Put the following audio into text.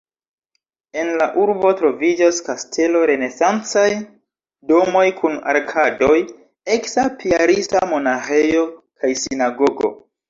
En la urbo troviĝas kastelo, renesancaj domoj kun arkadoj, eksa piarista monaĥejo kaj sinagogo.